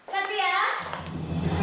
nanti aku nunggu